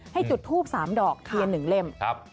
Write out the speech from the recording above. ให้จุดทูปสามดอกเทียนหนึ่งเล่ม